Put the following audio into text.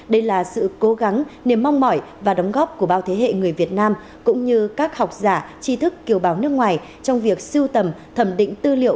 đây là sự cố gắng niềm mong mỏi và đóng góp của bao thế hệ người việt nam cũng như các học giả tri thức kiều bào nước ngoài trong việc siêu tầm thẩm định tư liệu